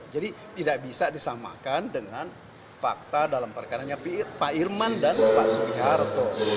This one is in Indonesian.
jadi tidak bisa disamakan dengan fakta dalam perkaranya pak irman dan pak sugiharto